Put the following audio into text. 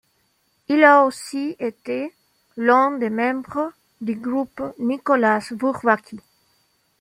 Il a aussi été l'un des membres du groupe Nicolas Bourbaki.